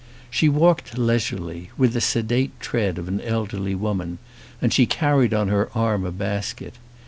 She walked leisurely, with the sedate tread of an elderly woman, and she carried on her arm a bas ket.